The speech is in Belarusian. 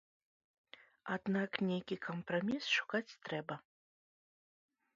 Аднак нейкі кампраміс шукаць трэба.